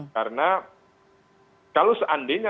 karena kalau seandainya